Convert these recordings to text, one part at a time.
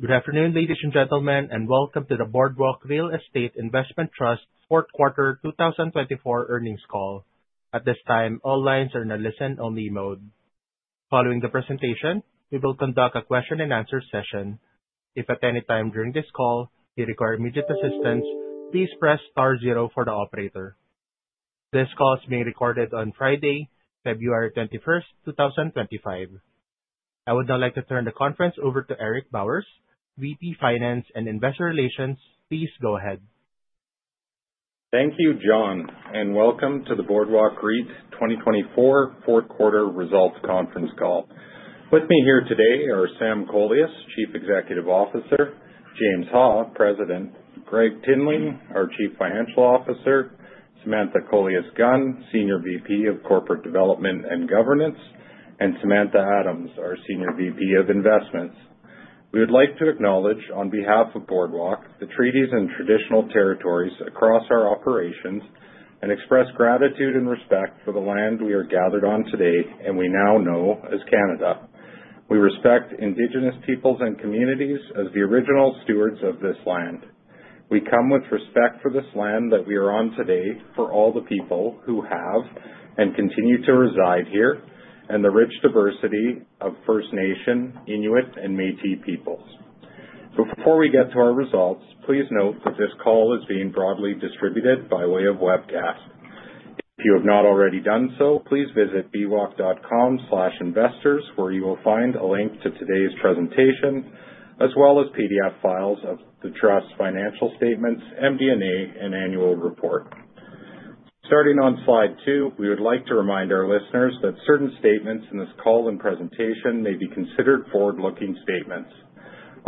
Good afternoon, ladies and gentlemen, and welcome to the Boardwalk Real Estate Investment Trust's fourth quarter 2024 earnings call. At this time, all lines are in a listen-only mode. Following the presentation, we will conduct a question-and-answer session. If at any time during this call you require immediate assistance, please press star zero for the operator. This call is being recorded on Friday, February 21st, 2025. I would now like to turn the conference over to Eric Bowers, VP Finance and Investor Relations. Please go ahead. Thank you, John, and welcome to the Boardwalk REIT 2024 Fourth Quarter Results Conference Call. With me here today are Sam Kolias, Chief Executive Officer, James Ha, President, Gregg Tinling, our Chief Financial Officer, Samantha Kolias-Gunn, Senior VP of Corporate Development and Governance, and Samantha Adams, our Senior VP of Investments. We would like to acknowledge, on behalf of Boardwalk, the treaties and traditional territories across our operations, and express gratitude and respect for the land we are gathered on today and we now know as Canada. We respect Indigenous peoples and communities as the original stewards of this land. We come with respect for this land that we are on today for all the people who have and continue to reside here, and the rich diversity of First Nation, Inuit, and Métis peoples. Before we get to our results, please note that this call is being broadly distributed by way of webcast. If you have not already done so, please visit bwalk.com/investors, where you will find a link to today's presentation, as well as PDF files of the Trust's financial statements, MD&A, and annual report. Starting on slide two, we would like to remind our listeners that certain statements in this call and presentation may be considered forward-looking statements.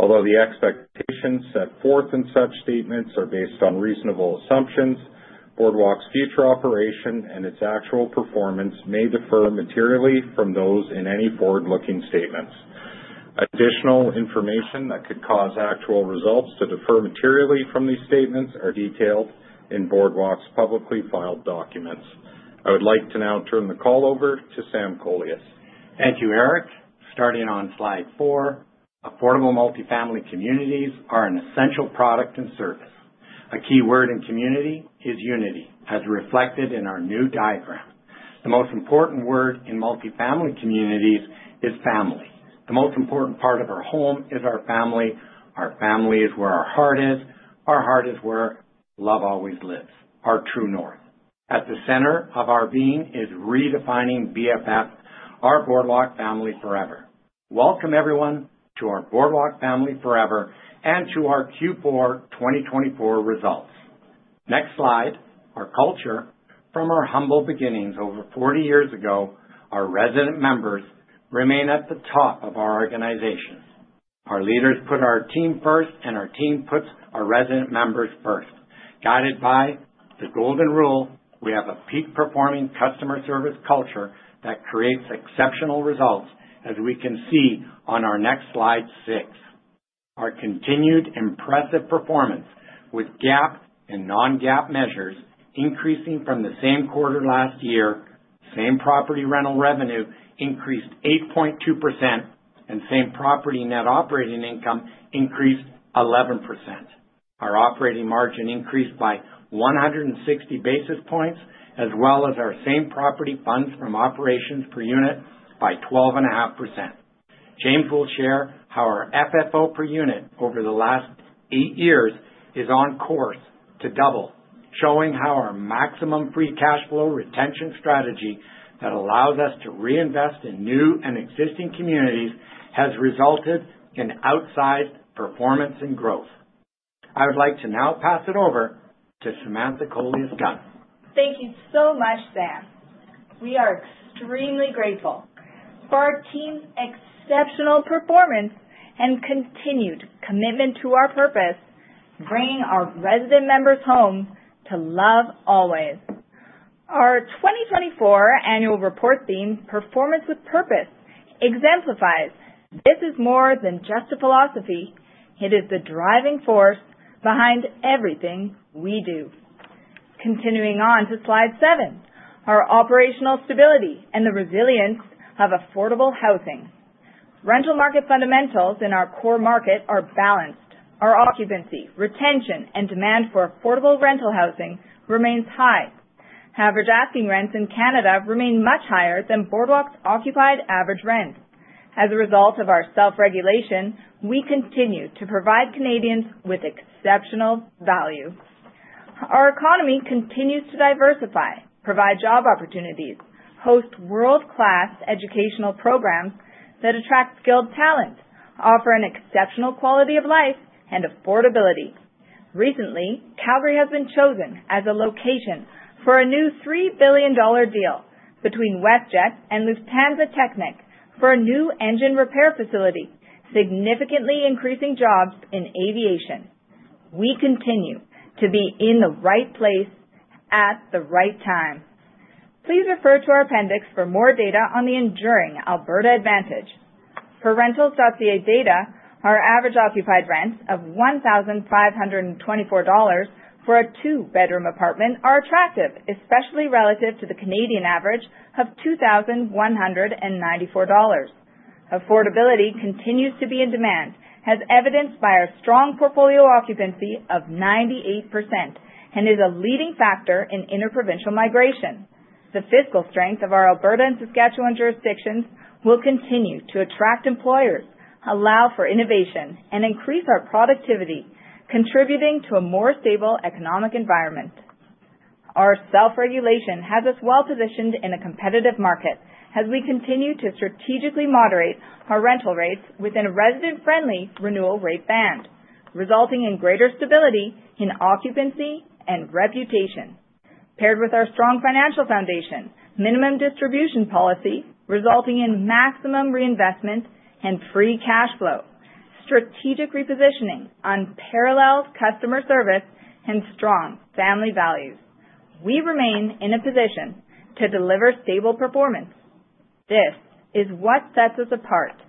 Although the expectations set forth in such statements are based on reasonable assumptions, Boardwalk's future operation and its actual performance may differ materially from those in any forward-looking statements. Additional information that could cause actual results to differ materially from these statements is detailed in Boardwalk's publicly filed documents. I would like to now turn the call over to Sam Kolias. Thank you, Eric. Starting on slide four, affordable multifamily communities are an essential product and service. A key word in community is unity, as reflected in our new diagram. The most important word in multifamily communities is family. The most important part of our home is our family. Our family is where our heart is. Our heart is where love always lives, our true north. At the center of our being is redefining BFF, our Boardwalk Family Forever. Welcome, everyone, to our Boardwalk Family Forever and to our Q4 2024 results. Next slide, our culture. From our humble beginnings over 40 years ago, our resident members remain at the top of our organization. Our leaders put our team first, and our team puts our resident members first. Guided by the golden rule, we have a peak-performing customer service culture that creates exceptional results, as we can see on our next slide, six. Our continued impressive performance, with GAAP and non-GAAP measures increasing from the same quarter last year, same property rental revenue increased 8.2%, and same property net operating income increased 11%. Our operating margin increased by 160 basis points, as well as our same property funds from operations per unit by 12.5%. James will share how our FFO per unit over the last eight years is on course to double, showing how our maximum free cash flow retention strategy that allows us to reinvest in new and existing communities has resulted in outsized performance and growth. I would like to now pass it over to Samantha Kolias-Gunn. Thank you so much, Sam. We are extremely grateful for our team's exceptional performance and continued commitment to our purpose, bringing our resident members home to love always. Our 2024 annual report theme, Performance with Purpose, exemplifies this is more than just a philosophy. It is the driving force behind everything we do. Continuing on to slide seven, our operational stability and the resilience of affordable housing. Rental market fundamentals in our core market are balanced. Our occupancy, retention, and demand for affordable rental housing remains high. Average asking rents in Canada remain much higher than Boardwalk's occupied average rent. As a result of our self-regulation, we continue to provide Canadians with exceptional value. Our economy continues to diversify, provide job opportunities, host world-class educational programs that attract skilled talent, offer an exceptional quality of life and affordability. Recently, Calgary has been chosen as a location for a new 3 billion dollar deal between WestJet and Lufthansa Technik for a new engine repair facility, significantly increasing jobs in aviation. We continue to be in the right place at the right time. Please refer to our appendix for more data on the enduring Alberta advantage. For Rentals.ca data, our average occupied rents of 1,524 dollars for a two-bedroom apartment are attractive, especially relative to the Canadian average of 2,194 dollars. Affordability continues to be in demand, as evidenced by our strong portfolio occupancy of 98%, and is a leading factor in interprovincial migration. The fiscal strength of our Alberta and Saskatchewan jurisdictions will continue to attract employers, allow for innovation, and increase our productivity, contributing to a more stable economic environment. Our self-regulation has us well positioned in a competitive market as we continue to strategically moderate our rental rates within a resident-friendly renewal rate band, resulting in greater stability in occupancy and reputation. Paired with our strong financial foundation, minimum distribution policy resulting in maximum reinvestment and free cash flow, strategic repositioning, unparalleled customer service, and strong family values, we remain in a position to deliver stable performance. This is what sets us apart,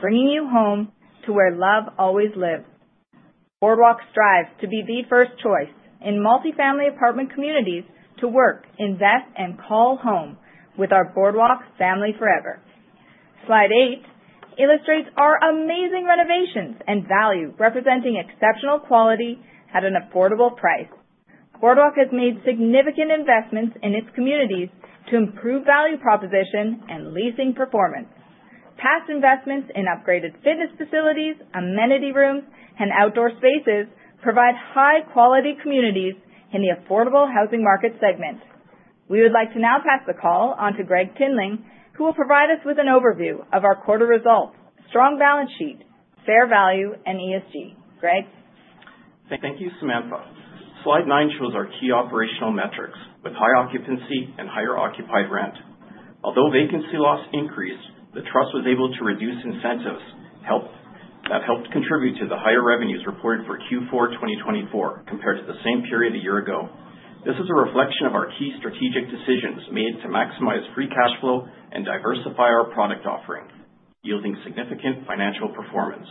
bringing you home to where love always lives. Boardwalk strives to be the first choice in multifamily apartment communities to work, invest, and call home with our Boardwalk Family Forever. Slide eight illustrates our amazing renovations and value, representing exceptional quality at an affordable price. Boardwalk has made significant investments in its communities to improve value proposition and leasing performance. Past investments in upgraded fitness facilities, amenity rooms, and outdoor spaces provide high-quality communities in the affordable housing market segment. We would like to now pass the call on to Gregg Tinling, who will provide us with an overview of our quarter results, strong balance sheet, fair value, and ESG. Gregg. Thank you, Samantha. Slide nine shows our key operational metrics with high occupancy and higher occupied rent. Although vacancy loss increased, the Trust was able to reduce incentives that helped contribute to the higher revenues reported for Q4 2024 compared to the same period a year ago. This is a reflection of our key strategic decisions made to maximize free cash flow and diversify our product offering, yielding significant financial performance.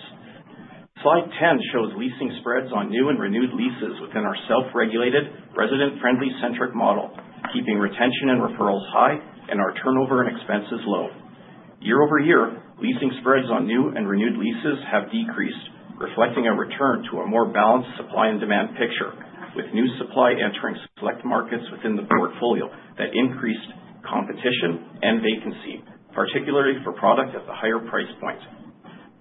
Slide 10 shows leasing spreads on new and renewed leases within our self-regulated, resident-friendly-centric model, keeping retention and referrals high and our turnover and expenses low. Year-over-year, leasing spreads on new and renewed leases have decreased, reflecting a return to a more balanced supply and demand picture, with new supply entering select markets within the portfolio that increased competition and vacancy, particularly for product at the higher price point.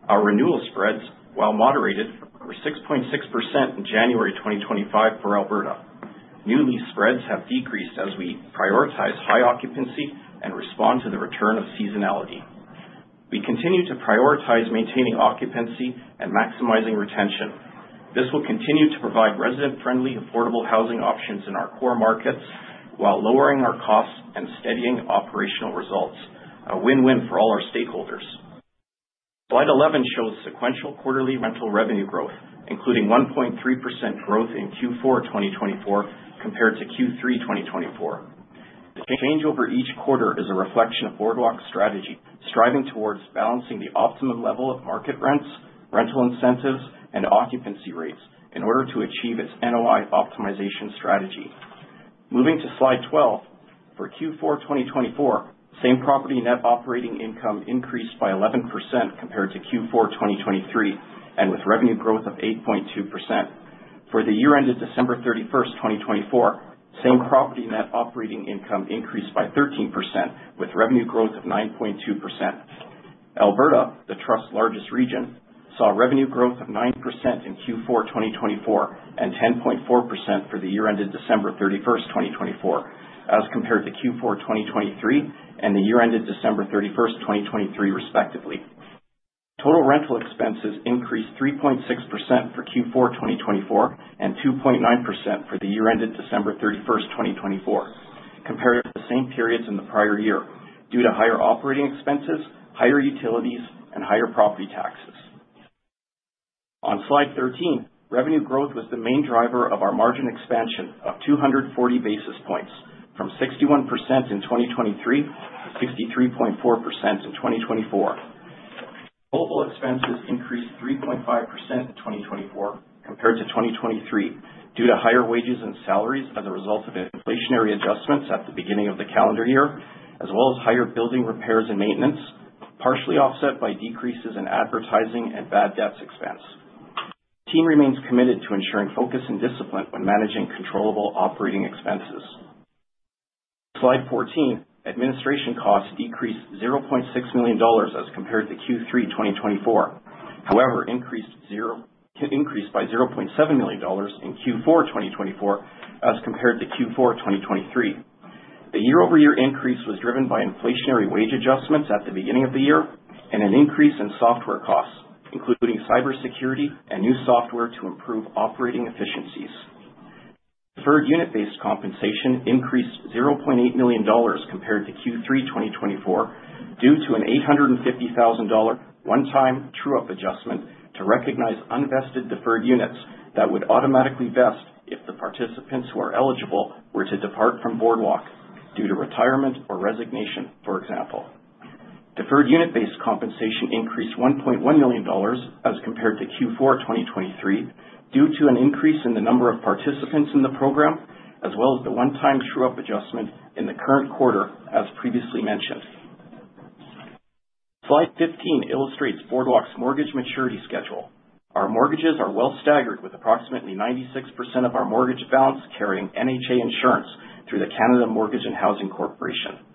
Our renewal spreads, while moderated, were 6.6% in January 2025 for Alberta. New lease spreads have decreased as we prioritize high occupancy and respond to the return of seasonality. We continue to prioritize maintaining occupancy and maximizing retention. This will continue to provide resident-friendly, affordable housing options in our core markets while lowering our costs and steadying operational results, a win-win for all our stakeholders. Slide 11 shows sequential quarterly rental revenue growth, including 1.3% growth in Q4 2024 compared to Q3 2024. The change over each quarter is a reflection of Boardwalk's strategy, striving towards balancing the optimum level of market rents, rental incentives, and occupancy rates in order to achieve its NOI optimization strategy. Moving to slide 12, for Q4 2024, same property net operating income increased by 11% compared to Q4 2023, and with revenue growth of 8.2%. For the year ended December 31st, 2024, same property net operating income increased by 13%, with revenue growth of 9.2%. Alberta, the Trust's largest region, saw revenue growth of 9% in Q4 2024 and 10.4% for the year ended December 31st, 2024, as compared to Q4 2023 and the year ended December 31st, 2023, respectively. Total rental expenses increased 3.6% for Q4 2024 and 2.9% for the year ended December 31st, 2024, compared to the same periods in the prior year due to higher operating expenses, higher utilities, and higher property taxes. On slide 13, revenue growth was the main driver of our margin expansion of 240 basis points, from 61% in 2023 to 63.4% in 2024. Total expenses increased 3.5% in 2024 compared to 2023 due to higher wages and salaries as a result of inflationary adjustments at the beginning of the calendar year, as well as higher building repairs and maintenance, partially offset by decreases in advertising and bad debts expense. The team remains committed to ensuring focus and discipline when managing controllable operating expenses. Slide 14, administration costs decreased 0.6 million dollars as compared to Q3 2024. However, increased by 0.7 million dollars in Q4 2024 as compared to Q4 2023. The year-over-year increase was driven by inflationary wage adjustments at the beginning of the year and an increase in software costs, including cybersecurity and new software to improve operating efficiencies. Deferred unit-based compensation increased 0.8 million dollars compared to Q3 2024 due to a 850,000 dollar one-time true-up adjustment to recognize unvested deferred units that would automatically vest if the participants who are eligible were to depart from Boardwalk due to retirement or resignation, for example. Deferred unit-based compensation increased 1.1 million dollars as compared to Q4 2023 due to an increase in the number of participants in the program, as well as the one-time true-up adjustment in the current quarter, as previously mentioned. Slide 15 illustrates, Boardwalk's mortgage maturity schedule. Our mortgages are well staggered, with approximately 96% of our mortgage balance carrying NHA insurance through the Canada Mortgage and Housing Corporation.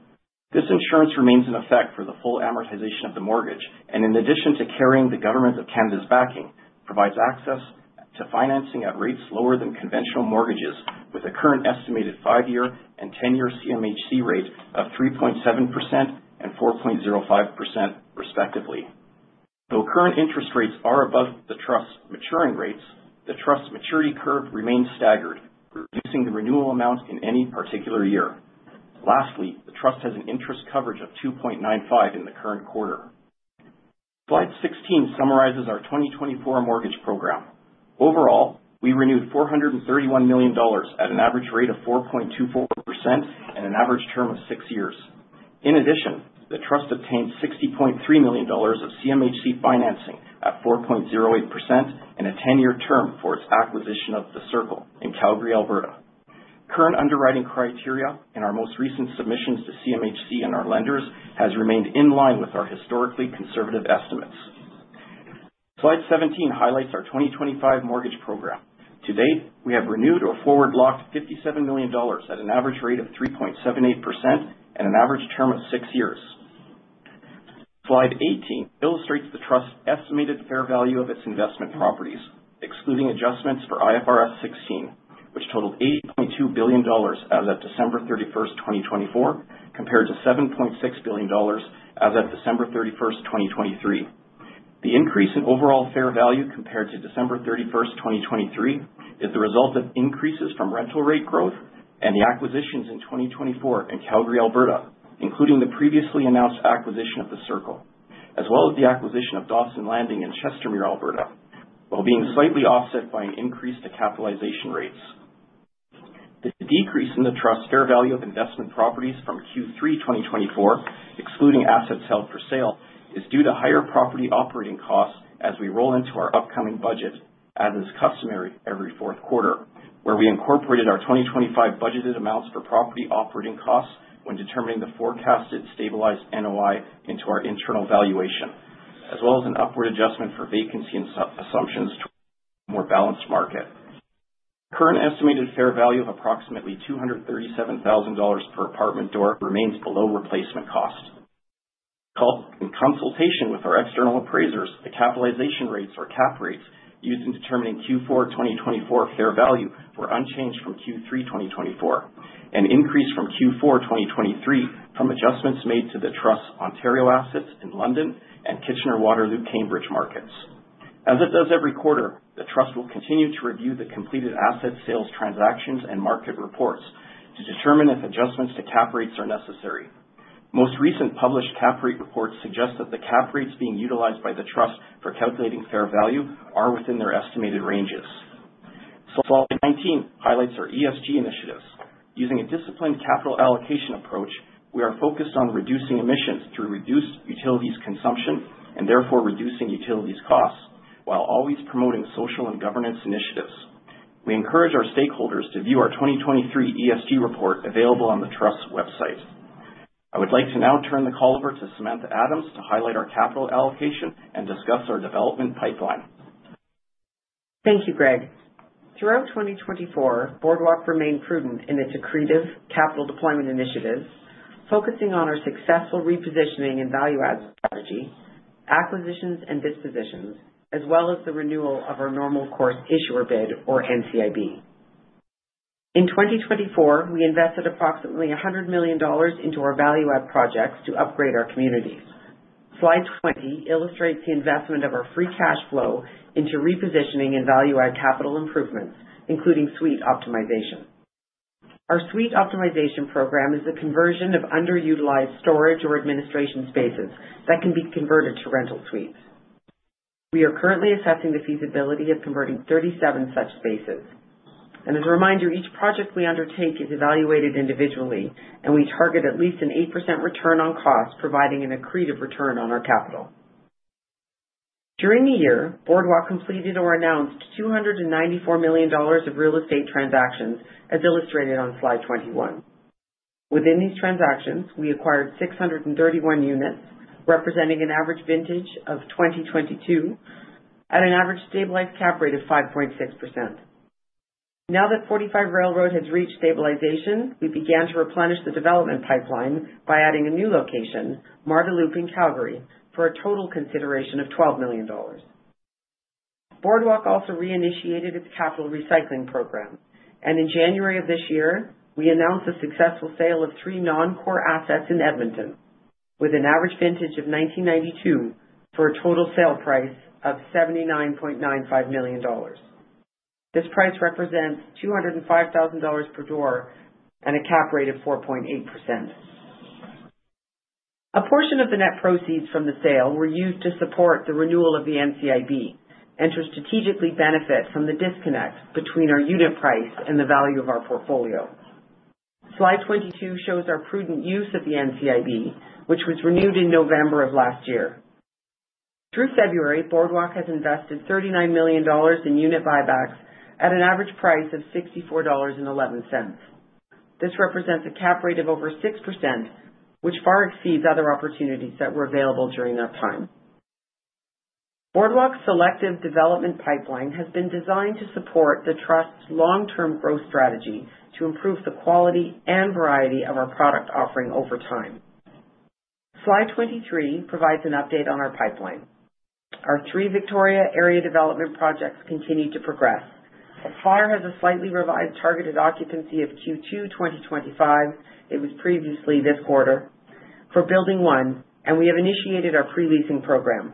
This insurance remains in effect for the full amortization of the mortgage, and in addition to carrying the government of Canada's backing, provides access to financing at rates lower than conventional mortgages, with a current estimated five-year and ten-year CMHC rate of 3.7% and 4.05%, respectively. Though current interest rates are above the Trust's maturing rates, the Trust's maturity curve remains staggered, reducing the renewal amount in any particular year. Lastly, the Trust has an interest coverage of 2.95% in the current quarter. Slide 16 summarizes our 2024 mortgage program. Overall, we renewed 431 million dollars at an average rate of 4.24% and an average term of six years. In addition, the Trust obtained 60.3 million dollars of CMHC financing at 4.08% and a ten-year term for its acquisition of The Circle in Calgary, Alberta. Current underwriting criteria in our most recent submissions to CMHC and our lenders has remained in line with our historically conservative estimates. Slide 17 highlights our 2025 mortgage program. To date, we have renewed or forward locked 57 million dollars at an average rate of 3.78% and an average term of six years. Slide 18 illustrates the Trust's estimated fair value of its investment properties, excluding adjustments for IFRS 16, which totaled 8.2 billion dollars as of December 31st, 2024, compared to 7.6 billion dollars as of December 31st, 2023. The increase in overall fair value compared to December 31st, 2023, is the result of increases from rental rate growth and the acquisitions in 2024 in Calgary, Alberta, including the previously announced acquisition of The Circle, as well as the acquisition of Dawson Landing in Chestermere, Alberta, while being slightly offset by an increase to capitalization rates. The decrease in the Trust's fair value of investment properties from Q3 2024, excluding assets held for sale, is due to higher property operating costs as we roll into our upcoming budget, as is customary every fourth quarter, where we incorporated our 2025 budgeted amounts for property operating costs when determining the forecasted stabilized NOI into our internal valuation, as well as an upward adjustment for vacancy assumptions to a more balanced market. Current estimated fair value of approximately 237,000 dollars per apartment door remains below replacement cost. In consultation with our external appraisers, the capitalization rates, or cap rates, used in determining Q4 2024 fair value were unchanged from Q3 2024, an increase from Q4 2023 from adjustments made to the Trust's Ontario assets in London and Kitchener, Waterloo, Cambridge markets. As it does every quarter, the Trust will continue to review the completed asset sales transactions and market reports to determine if adjustments to cap rates are necessary. Most recent published cap rate reports suggest that the cap rates being utilized by the Trust for calculating fair value are within their estimated ranges. Slide 19 highlights our ESG initiatives. Using a disciplined capital allocation approach, we are focused on reducing emissions through reduced utilities consumption and therefore reducing utilities costs, while always promoting social and governance initiatives. We encourage our stakeholders to view our 2023 ESG report available on the Trust's website. I would like to now turn the call over to Samantha Adams to highlight our capital allocation and discuss our development pipeline. Thank you, Gregg. Throughout 2024, Boardwalk remained prudent in its accretive capital deployment initiatives, focusing on our successful repositioning and value-add strategy, acquisitions and dispositions, as well as the renewal of our normal course issuer bid, or NCIB. In 2024, we invested approximately 100 million dollars into our value-add projects to upgrade our communities. Slide 20 illustrates the investment of our free cash flow into repositioning and value-add capital improvements, including suite optimization. Our suite optimization program is the conversion of underutilized storage or administration spaces that can be converted to rental suites. We are currently assessing the feasibility of converting 37 such spaces, and as a reminder, each project we undertake is evaluated individually, and we target at least an 8% return on cost, providing an accretive return on our capital. During the year, Boardwalk completed or announced 294 million dollars of real estate transactions, as illustrated on slide 21. Within these transactions, we acquired 631 units, representing an average vintage of 2022 at an average stabilized cap rate of 5.6%. Now that 45 Railroad has reached stabilization, we began to replenish the development pipeline by adding a new location, Marda Loop in Calgary, for a total consideration of 12 million dollars. Boardwalk also reinitiated its capital recycling program and in January of this year, we announced the successful sale of three non-core assets in Edmonton, with an average vintage of 1992 for a total sale price of 79.95 million dollars. This price represents 205,000 dollars per door and a cap rate of 4.8%. A portion of the net proceeds from the sale were used to support the renewal of the NCIB and to strategically benefit from the disconnect between our unit price and the value of our portfolio. Slide 22 shows our prudent use of the NCIB, which was renewed in November of last year. Through February, Boardwalk has invested 39 million dollars in unit buybacks at an average price of 64.11 dollars. This represents a cap rate of over 6%, which far exceeds other opportunities that were available during that time. Boardwalk's selective development pipeline has been designed to support the Trust's long-term growth strategy to improve the quality and variety of our product offering over time. Slide 23 provides an update on our pipeline. Our three Victoria area development projects continue to progress. Aspire has a slightly revised targeted occupancy of Q2 2025. It was previously this quarter for Building 1, and we have initiated our pre-leasing program.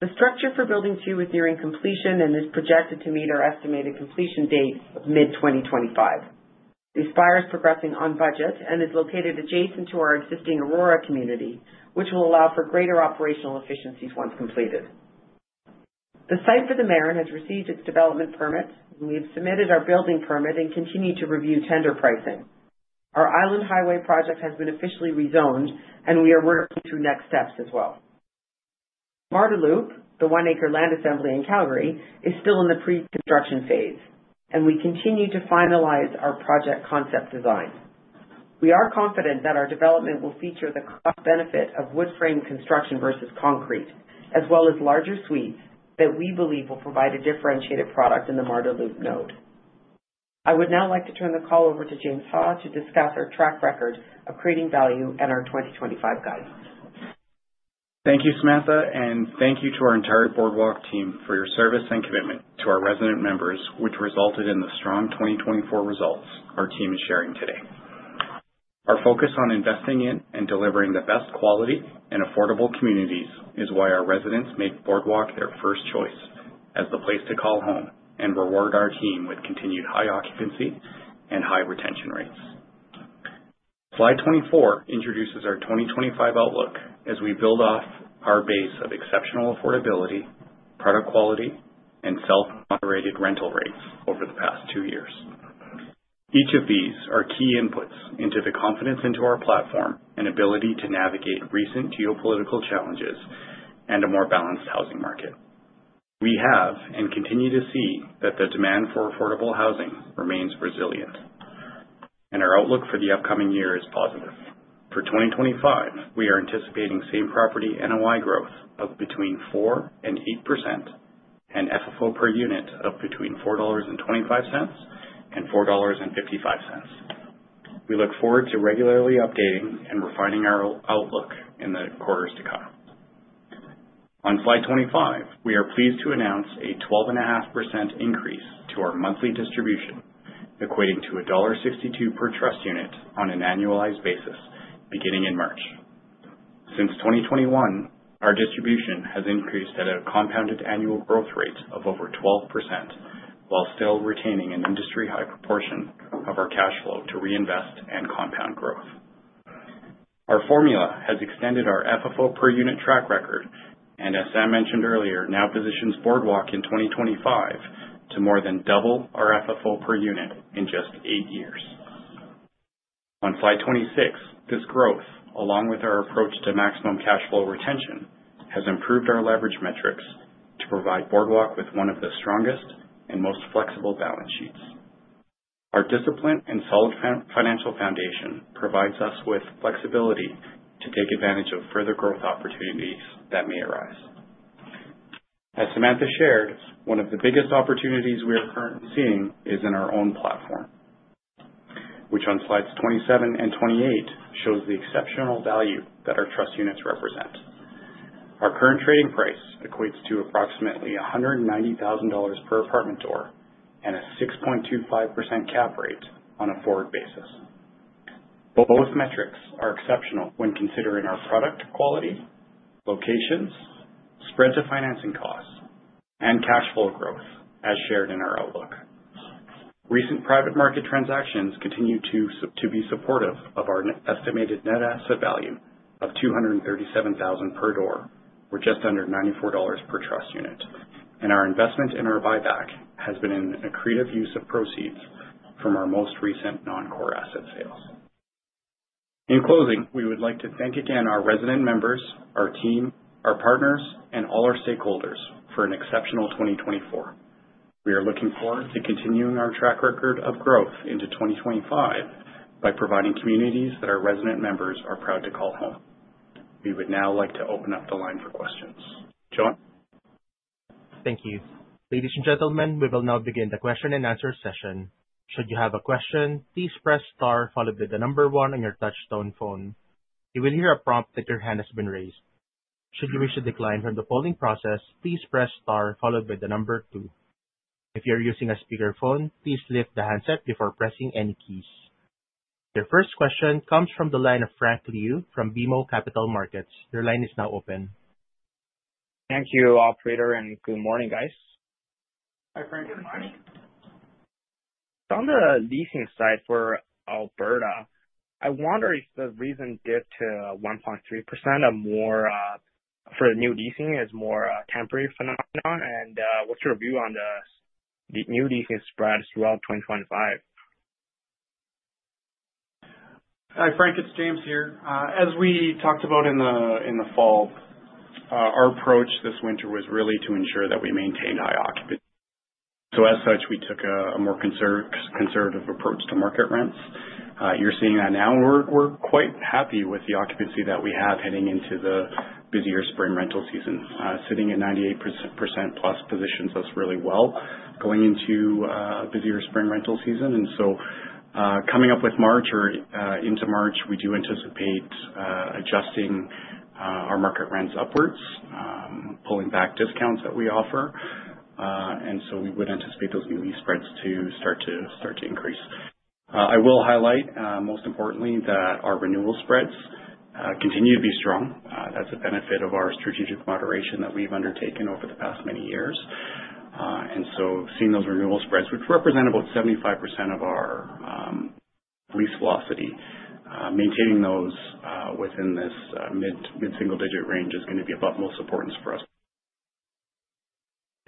The structure for Building 2 is nearing completion, and is projected to meet our estimated completion date of mid-2025. Aspire is progressing on budget and is located adjacent to our existing Aurora community, which will allow for greater operational efficiencies once completed. The site for the Marin has received its development permit, and we have submitted our building permit and continue to review tender pricing. Our Island Highway project has been officially rezoned, and we are working through next steps as well. Marda Loop, the one-acre land assembly in Calgary, is still in the pre-construction phase, and we continue to finalize our project concept design. We are confident that our development will feature the cost-benefit of wood frame construction versus concrete, as well as larger suites that we believe will provide a differentiated product in the Marda Loop node. I would now like to turn the call over to James Ha to discuss our track record of creating value and our 2025 guidance. Thank you, Samantha, and thank you to our entire Boardwalk team for your service and commitment to our resident members, which resulted in the strong 2024 results our team is sharing today. Our focus on investing in and delivering the best quality and affordable communities is why our residents make Boardwalk their first choice as the place to call home and reward our team with continued high occupancy and high retention rates. Slide 24 introduces our 2025 outlook as we build off our base of exceptional affordability, product quality, and self-moderated rental rates over the past two years. Each of these are key inputs into the confidence into our platform and ability to navigate recent geopolitical challenges and a more balanced housing market. We have and continue to see that the demand for affordable housing remains resilient, and our outlook for the upcoming year is positive. For 2025, we are anticipating same property NOI growth of between 4% and 8% and FFO per unit of between 4.25-4.55 dollars. We look forward to regularly updating and refining our outlook in the quarters to come. On Slide 25, we are pleased to announce a 12.5% increase to our monthly distribution, equating to dollar 1.62 per trust unit on an annualized basis beginning in March. Since 2021, our distribution has increased at a compounded annual growth rate of over 12%, while still retaining an industry-high proportion of our cash flow to reinvest and compound growth. Our formula has extended our FFO per unit track record and, as Sam mentioned earlier, now positions Boardwalk in 2025 to more than double our FFO per unit in just eight years. On Slide 26, this growth, along with our approach to maximum cash flow retention, has improved our leverage metrics to provide Boardwalk with one of the strongest and most flexible balance sheets. Our discipline and solid financial foundation provides us with flexibility to take advantage of further growth opportunities that may arise. As Samantha shared, one of the biggest opportunities we are currently seeing is in our own platform, which on Slides 27 and 28 shows the exceptional value that our trust units represent. Our current trading price equates to approximately 190,000 dollars per apartment door and a 6.25% cap rate on a forward basis. Both metrics are exceptional when considering our product quality, locations, spread to financing costs, and cash flow growth, as shared in our outlook. Recent private market transactions continue to be supportive of our estimated net asset value of 237,000 per door, which is just under 94 dollars per trust unit, and our investment in our buyback has been an accretive use of proceeds from our most recent non-core asset sales. In closing, we would like to thank again our resident members, our team, our partners, and all our stakeholders for an exceptional 2024. We are looking forward to continuing our track record of growth into 2025 by providing communities that our resident members are proud to call home. We would now like to open up the line for questions. John. Thank you. Ladies and gentlemen, we will now begin the question and answer session. Should you have a question, please press star followed by the number one on your touch-tone phone. You will hear a prompt that your hand has been raised. Should you wish to decline from the polling process, please press star followed by the number two. If you are using a speakerphone, please lift the handset before pressing any keys. Your first question comes from the line of Frank Liu from BMO Capital Markets. Your line is now open. Thank you, Operator, and good morning, guys. Hi, Frank. Good morning. On the leasing side for Alberta, I wonder if the reason given to 1.3% for the new leasing is more a temporary phenomenon, and what's your view on the new leasing spread throughout 2025? Hi, Frank, it's James here. As we talked about in the fall, our approach this winter was really to ensure that we maintained high occupancy. So as such, we took a more conservative approach to market rents. You're seeing that now. We're quite happy with the occupancy that we have heading into the busier spring rental season. Sitting at 98%+ positions us really well going into a busier spring rental season. And so coming up with March or into March, we do anticipate adjusting our market rents upwards, pulling back discounts that we offer. And so we would anticipate those new lease spreads to start to increase. I will highlight, most importantly, that our renewal spreads continue to be strong. That's a benefit of our strategic moderation that we've undertaken over the past many years. And so seeing those renewal spreads, which represent about 75% of our lease velocity, maintaining those within this mid-single digit range is going to be of utmost importance for us.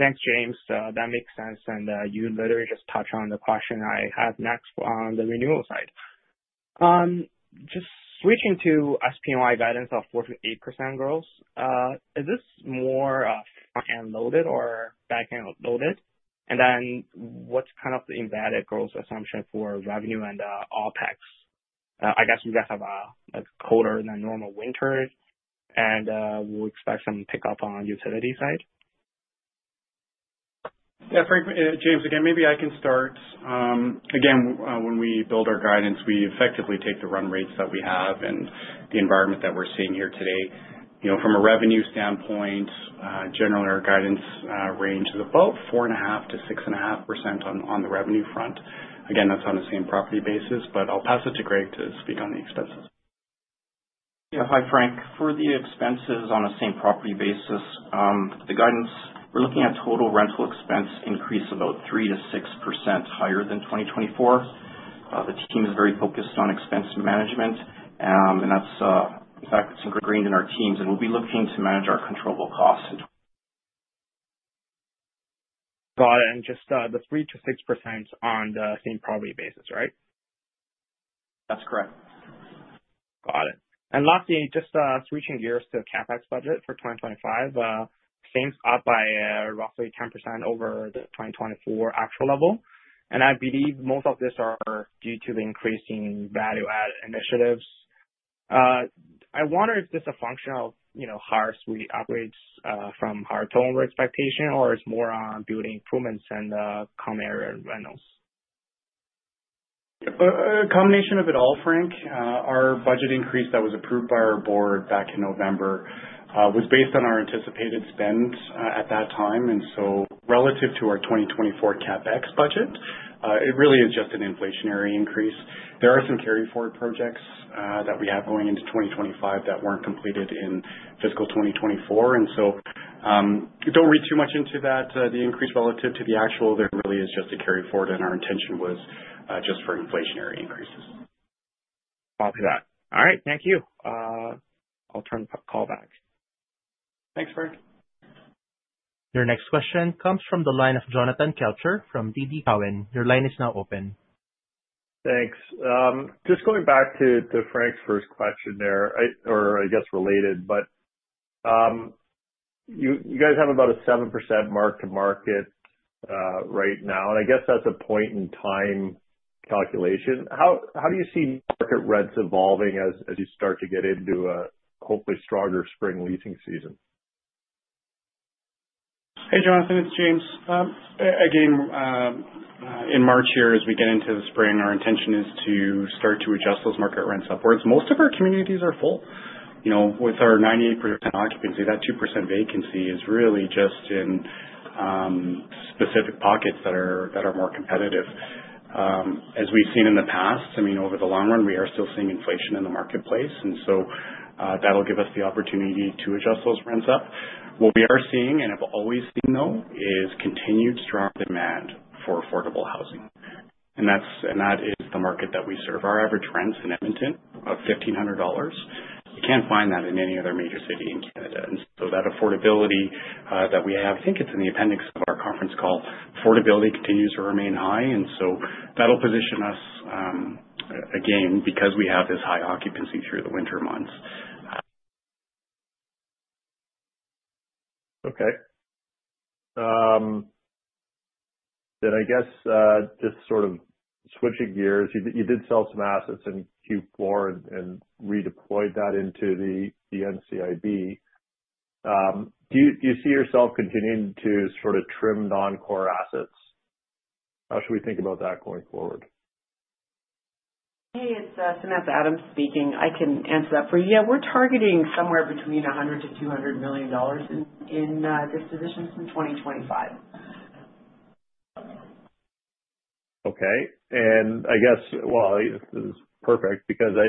Thanks, James. That makes sense. And you literally just touched on the question I had next on the renewal side. Just switching to SPNOI guidance of 4.8% growth, is this more front-end loaded or back-end loaded? And then what's kind of the embedded growth assumption for revenue and OpEx? I guess you guys have colder than normal winters, and we'll expect some pickup on utility side. Yeah, Frank, James, again, maybe I can start. Again, when we build our guidance, we effectively take the run rates that we have and the environment that we're seeing here today. From a revenue standpoint, generally, our guidance range is about 4.5%-6.5% on the revenue front. Again, that's on the same property basis, but I'll pass it to Gregg to speak on the expenses. Yeah, hi, Frank. For the expenses on a same property basis, the guidance, we're looking at total rental expense increase about 3%-6% higher than 2024. The team is very focused on expense management, and that's, in fact, it's ingrained in our teams, and we'll be looking to manage our controllable costs. Got it. And just the 3%-6% on the same property basis, right? That's correct. Got it. And lastly, just switching gears to CapEx budget for 2025, up by roughly 10% over the 2024 actual level. And I believe most of this is due to the increasing value-add initiatives. I wonder if this is a function of higher suite upgrades from higher total expectation, or it's more on building improvements and common area rentals. A combination of it all, Frank. Our budget increase that was approved by our board back in November was based on our anticipated spend at that time. And so relative to our 2024 CapEx budget, it really is just an inflationary increase. There are some carry-forward projects that we have going into 2025 that weren't completed in fiscal 2024. And so don't read too much into that. The increase relative to the actual, there really is just a carry-forward, and our intention was just for inflationary increases. Copy that. All right, thank you. I'll turn the call back. Thanks, Frank. Your next question comes from the line of Jonathan Kelcher from TD Cowen. Your line is now open. Thanks. Just going back to Frank's first question there, or I guess related, but you guys have about a 7% mark-to-market right now, and I guess that's a point-in-time calculation. How do you see market rents evolving as you start to get into a hopefully stronger spring leasing season? Hey, Jonathan, it's James. Again, in March here, as we get into the spring, our intention is to start to adjust those market rents upwards. Most of our communities are full. With our 98% occupancy, that 2% vacancy is really just in specific pockets that are more competitive. As we've seen in the past, I mean, over the long run, we are still seeing inflation in the marketplace, and so that'll give us the opportunity to adjust those rents up. What we are seeing, and have always seen, though, is continued strong demand for affordable housing. And that is the market that we serve. Our average rent in Edmonton is 1,500 dollars. You can't find that in any other major city in Canada. And so that affordability that we have, I think it's in the appendix of our conference call. Affordability continues to remain high. That'll position us, again, because we have this high occupancy through the winter months. Okay. Then I guess just sort of switching gears, you did sell some assets in Q4 and redeployed that into the NCIB. Do you see yourself continuing to sort of trim non-core assets? How should we think about that going forward? Hey, it's Samantha Adams speaking. I can answer that for you. Yeah, we're targeting somewhere between 100 million-200 million dollars in dispositions in 2025. Okay. And I guess, well, this is perfect because I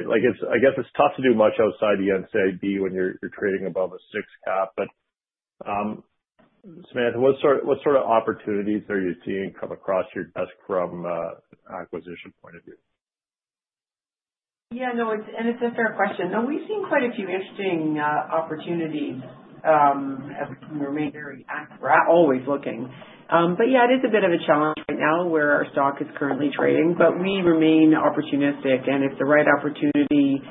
guess it's tough to do much outside the NCIB when you're trading above a 6 cap. But Samantha, what sort of opportunities are you seeing come across your desk from an acquisition point of view? Yeah, no, and it's a fair question. No, we've seen quite a few interesting opportunities as we remain very active or always looking. But yeah, it is a bit of a challenge right now where our stock is currently trading, but we remain opportunistic. And if the right opportunity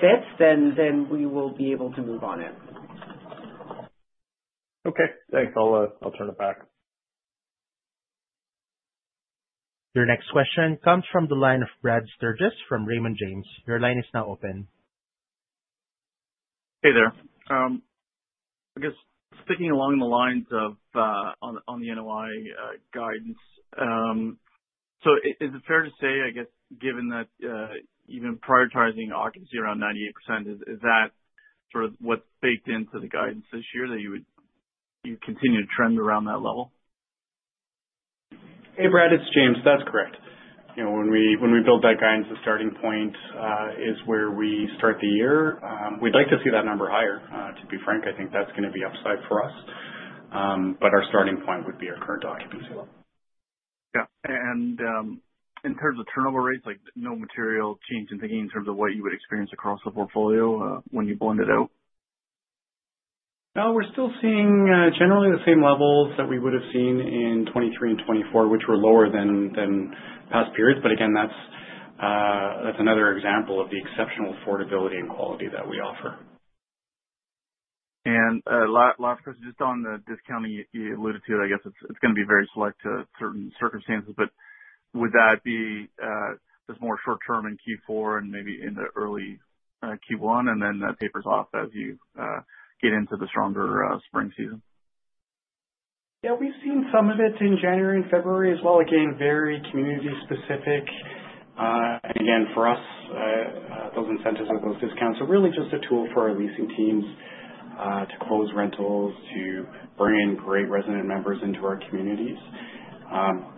fits, then we will be able to move on it. Okay. Thanks. I'll turn it back. Your next question comes from the line of Brad Sturges from Raymond James. Your line is now open. Hey there. I guess sticking along the lines of the NOI guidance, so is it fair to say, I guess, given that even prioritizing occupancy around 98%, is that sort of what's baked into the guidance this year that you continue to trend around that level? Hey, Brad, it's James. That's correct. When we build that guidance, the starting point is where we start the year. We'd like to see that number higher. To be frank, I think that's going to be upside for us. But our starting point would be our current occupancy. Yeah. And in terms of turnover rates, no material change in thinking in terms of what you would experience across the portfolio when you blend it out? No, we're still seeing generally the same levels that we would have seen in 2023 and 2024, which were lower than past periods. But again, that's another example of the exceptional affordability and quality that we offer. And last question, just on the discounting you alluded to, I guess it's going to be very selective in certain circumstances. But would that be just more short-term in Q4 and maybe in the early Q1, and then that tapers off as you get into the stronger spring season? Yeah, we've seen some of it in January and February as well. Again, very community-specific. And again, for us, those incentives with those discounts are really just a tool for our leasing teams to close rentals, to bring in great resident members into our communities.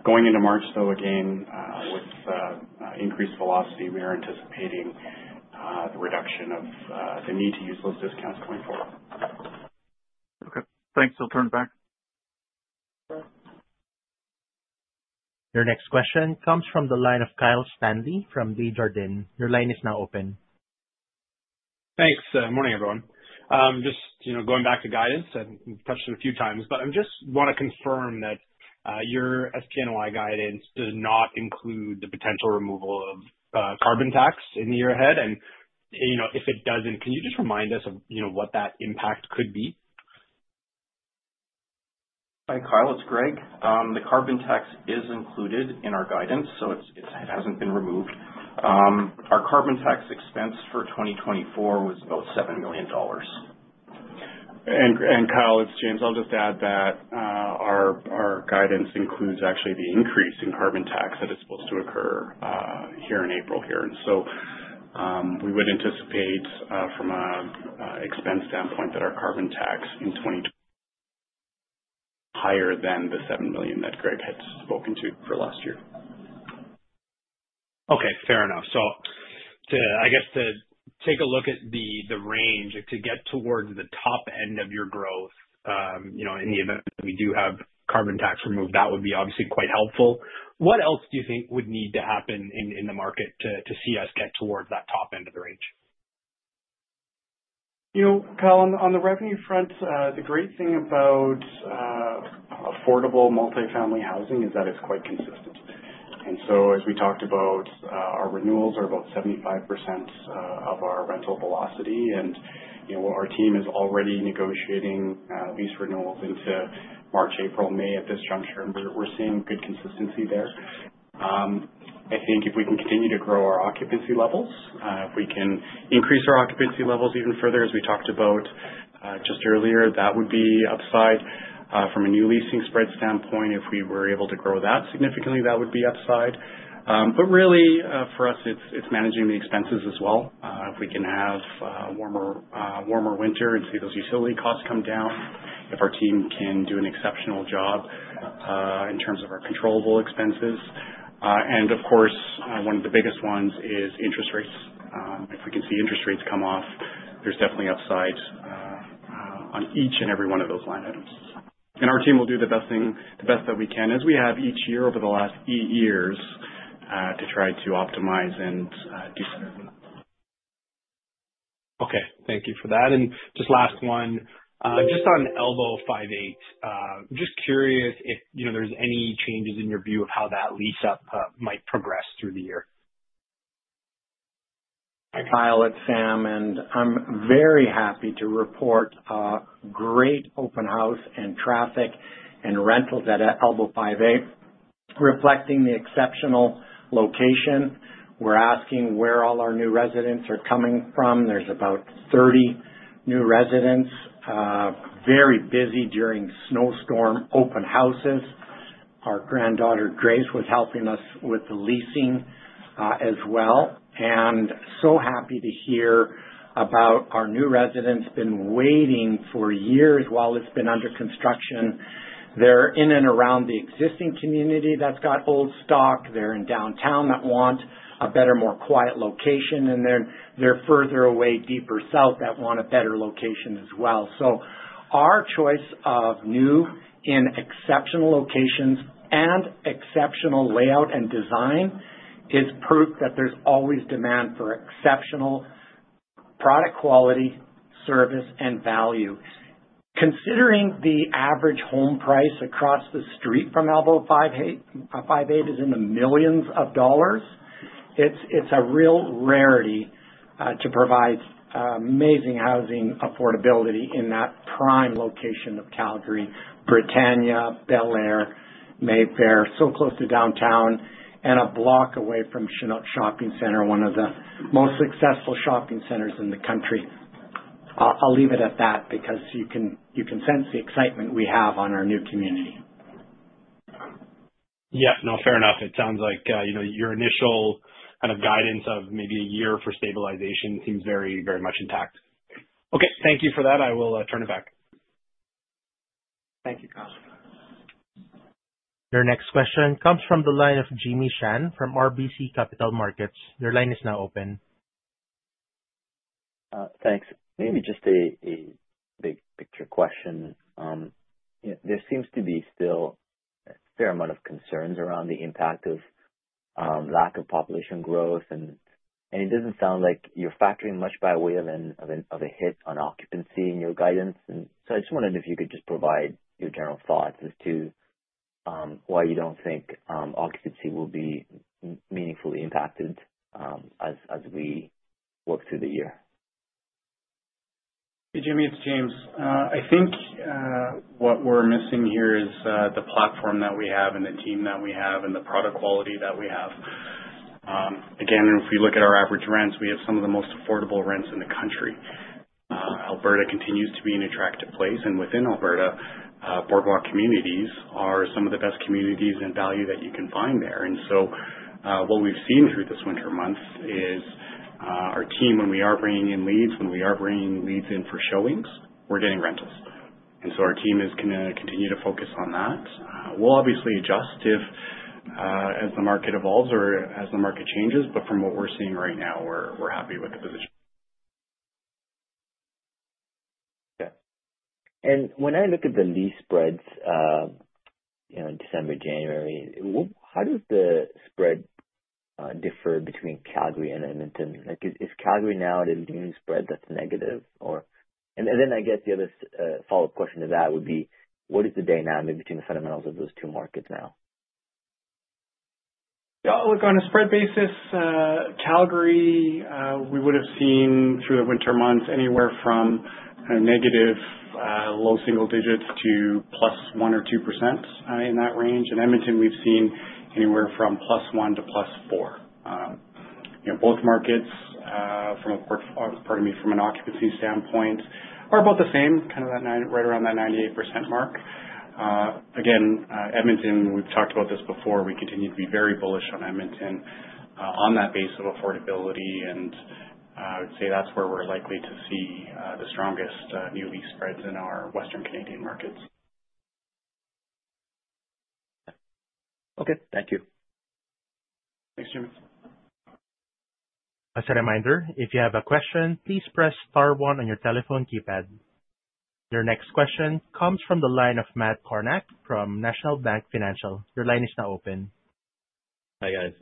Going into March, though, again, with increased velocity, we are anticipating the reduction of the need to use those discounts going forward. Okay. Thanks. I'll turn it back. Your next question comes from the line of Kyle Stanley from Desjardins. Your line is now open. Thanks. Good morning, everyone. Just going back to guidance, I've touched on it a few times, but I just want to confirm that your SPNOI guidance does not include the potential removal of carbon tax in the year ahead, and if it doesn't, can you just remind us of what that impact could be? Hi, Kyle. It's Gregg. The carbon tax is included in our guidance, so it hasn't been removed. Our carbon tax expense for 2024 was about 7 million dollars. And Kyle, it's James. I'll just add that our guidance includes actually the increase in carbon tax that is supposed to occur here in April here. And so we would anticipate from an expense standpoint that our carbon tax in 2024 is higher than the 7 million that Gregg had spoken to for last year. Okay. Fair enough. So I guess to take a look at the range to get towards the top end of your growth, in the event that we do have carbon tax removed, that would be obviously quite helpful. What else do you think would need to happen in the market to see us get towards that top end of the range? Kyle, on the revenue front, the great thing about affordable multifamily housing is that it's quite consistent, and so as we talked about, our renewals are about 75% of our rental velocity, and our team is already negotiating lease renewals into March, April, May at this juncture, and we're seeing good consistency there. I think if we can continue to grow our occupancy levels, if we can increase our occupancy levels even further, as we talked about just earlier, that would be upside. From a new leasing spread standpoint, if we were able to grow that significantly, that would be upside, but really, for us, it's managing the expenses as well. If we can have a warmer winter and see those utility costs come down, if our team can do an exceptional job in terms of our controllable expenses, and of course, one of the biggest ones is interest rates. If we can see interest rates come off, there's definitely upside on each and every one of those line items. And our team will do the best that we can as we have each year over the last eight years to try to optimize and do better. Okay. Thank you for that. And just last one, just on Elbow 5 Eight, just curious if there's any changes in your view of how that lease up might progress through the year. Kyle, it's Sam, and I'm very happy to report a great open house and traffic and rentals at Elbow 5 Eight, reflecting the exceptional location. We're asking where all our new residents are coming from. There's about 30 new residents. Very busy during snowstorm open houses. Our granddaughter, Grace, was helping us with the leasing as well, and so happy to hear about our new residents being waiting for years while it's been under construction. They're in and around the existing community that's got old stock. They're in downtown that want a better, more quiet location, and then they're further away, deeper south that want a better location as well, so our choice of new and exceptional locations and exceptional layout and design is proof that there's always demand for exceptional product quality, service, and value. Considering the average home price across the street from Elbow 5 Eight is in the millions of dollars, it's a real rarity to provide amazing housing affordability in that prime location of Calgary, Britannia, Bel-Aire, Mayfair, so close to downtown, and a block away from Chinook Shopping Centre, one of the most successful shopping centers in the country. I'll leave it at that because you can sense the excitement we have on our new community. Yeah. No, fair enough. It sounds like your initial kind of guidance of maybe a year for stabilization seems very, very much intact. Okay. Thank you for that. I will turn it back. Thank you, Kyle. Your next question comes from the line of Jimmy Shan from RBC Capital Markets. Your line is now open. Thanks. Maybe just a big picture question. There seems to be still a fair amount of concerns around the impact of lack of population growth. And it doesn't sound like you're factoring much by way of a hit on occupancy in your guidance. And so I just wondered if you could just provide your general thoughts as to why you don't think occupancy will be meaningfully impacted as we work through the year? Hey, Jimmy. It's James. I think what we're missing here is the platform that we have and the team that we have and the product quality that we have. Again, if we look at our average rents, we have some of the most affordable rents in the country. Alberta continues to be an attractive place. Within Alberta, Boardwalk Communities are some of the best communities and value that you can find there. What we've seen through this winter months is our team, when we are bringing in leads, when we are bringing leads in for showings, we're getting rentals. Our team is going to continue to focus on that. We'll obviously adjust as the market evolves or as the market changes. From what we're seeing right now, we're happy with the position. Okay. And when I look at the lease spreads in December, January, how does the spread differ between Calgary and Edmonton? Is Calgary now at a new spread that's negative? And then I guess the other follow-up question to that would be, what is the dynamic between the fundamentals of those two markets now? Yeah. Look, on a spread basis, Calgary, we would have seen through the winter months anywhere from negative low single digits to +1 or 2% in that range. In Edmonton, we've seen anywhere from +1% to +4%. Both markets, pardon me, from an occupancy standpoint, are about the same, kind of right around that 98% mark. Again, Edmonton, we've talked about this before. We continue to be very bullish on Edmonton on that base of affordability. And I would say that's where we're likely to see the strongest new lease spreads in our Western Canadian markets. Okay. Thank you. Thanks, Jimmy. As a reminder, if you have a question, please press star one on your telephone keypad. Your next question comes from the line of Matt Kornack from National Bank Financial. Your line is now open. Hi guys.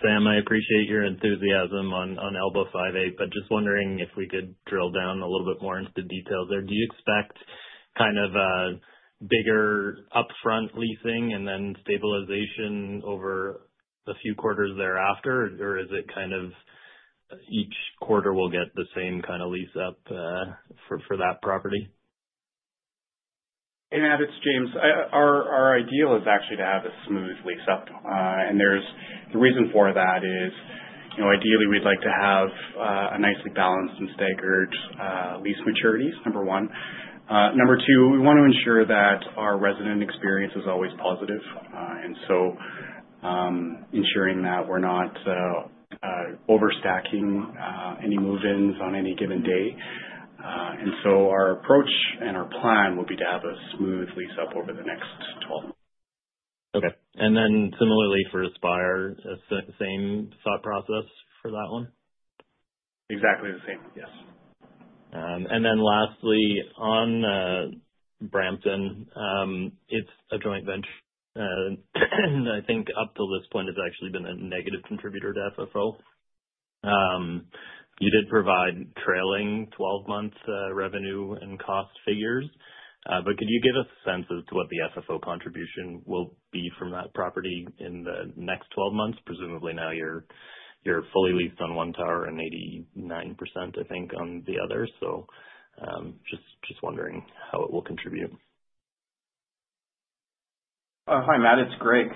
Sam, I appreciate your enthusiasm on Elbow 5 Eight, but just wondering if we could drill down a little bit more into the details there. Do you expect kind of bigger upfront leasing and then stabilization over a few quarters thereafter, or is it kind of each quarter we'll get the same kind of lease up for that property? It's James. Our ideal is actually to have a smooth lease up. And the reason for that is ideally we'd like to have a nicely balanced and staggered lease maturities, number one. Number two, we want to ensure that our resident experience is always positive. And so ensuring that we're not overstacking any move-ins on any given day. And so our approach and our plan will be to have a smooth lease up over the next 12 months. Okay. And then similarly for Aspire, same thought process for that one? Exactly the same. Yes. And then lastly, on Brampton, it's a joint venture. And I think up till this point, it's actually been a negative contributor to FFO. You did provide trailing 12-month revenue and cost figures. But could you give us a sense as to what the FFO contribution will be from that property in the next 12 months? Presumably now you're fully leased on one tower and 89% of income, the other. So just wondering how it will contribute. Hi, Matt. It's Gregg.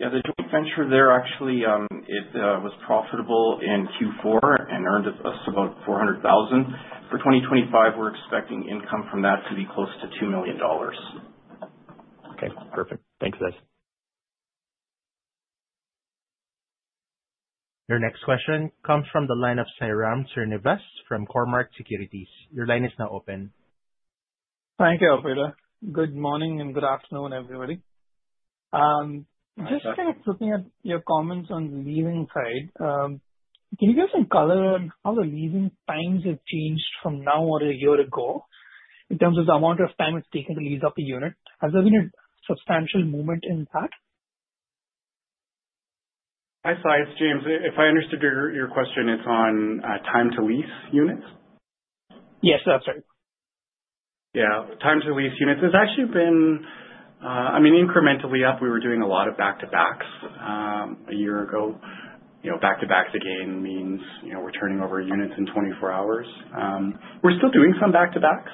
Yeah, the joint venture there actually was profitable in Q4 and earned us about 400,000. For 2025, we're expecting income from that to be close to 2 million dollars. Okay. Perfect. Thanks, guys. Your next question comes from the line of Sairam Srinivas from Cormark Securities. Your line is now open. Thank you, Alfredo. Good morning and good afternoon, everybody. Just kind of looking at your comments on the leasing side, can you give us a color on how the leasing times have changed from now or a year ago in terms of the amount of time it's taken to lease up a unit? Has there been a substantial movement in that? Hi, Sai. It's James. If I understood your question, it's on time to lease units? Yes, that's right. Yeah. Time to lease units has actually been, I mean, incrementally up. We were doing a lot of back-to-backs a year ago. Back-to-backs again means we're turning over units in 24 hours. We're still doing some back-to-backs,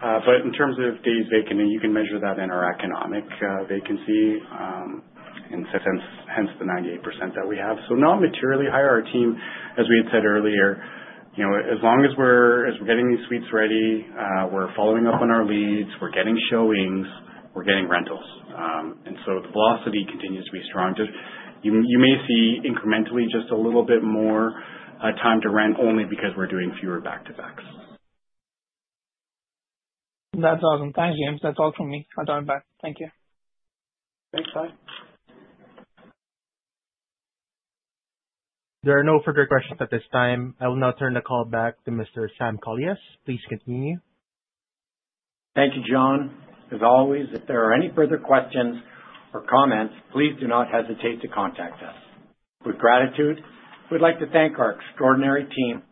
but in terms of days vacant, you can measure that in our economic vacancy, and hence the 98% that we have. So not materially higher. Our team, as we had said earlier, as long as we're getting these suites ready, we're following up on our leads, we're getting showings, we're getting rentals, and so the velocity continues to be strong. You may see incrementally just a little bit more time to rent only because we're doing fewer back-to-backs. That's awesome. Thanks, James. That's all from me. I'll dial you back. Thank you. Thanks. Bye. There are no further questions at this time. I will now turn the call back to Mr. Sam Kolias. Please continue. Thank you, John. As always, if there are any further questions or comments, please do not hesitate to contact us. With gratitude, we'd like to thank our extraordinary team,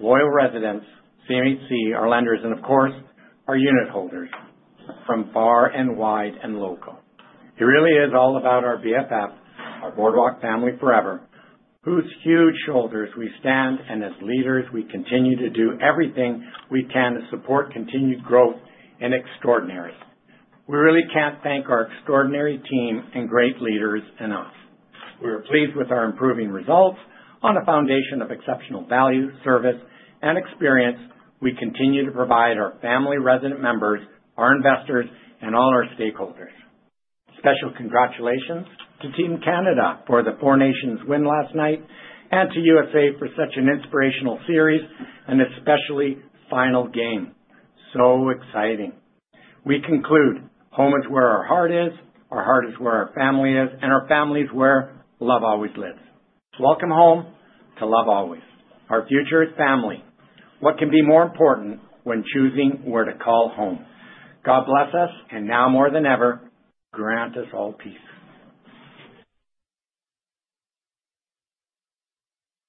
loyal residents, CMHC, our lenders, and of course, our unit holders from far and wide and local. It really is all about our BFF, our Boardwalk Family Forever, whose huge shoulders we stand, and as leaders, we continue to do everything we can to support continued growth and extraordinary. We really can't thank our extraordinary team and great leaders enough. We are pleased with our improving results on a foundation of exceptional value, service, and experience. We continue to provide our family resident members, our investors, and all our stakeholders. Special congratulations to Team Canada for the Four Nations win last night and to USA for such an inspirational series and especially final game. So exciting. We conclude, home is where our heart is, our heart is where our family is, and our family is where love always lives. Welcome home to love always. Our future is family. What can be more important when choosing where to call home? God bless us, and now more than ever, grant us all peace.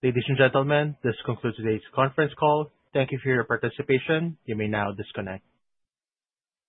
Ladies and gentlemen, this concludes today's conference call. Thank you for your participation. You may now disconnect.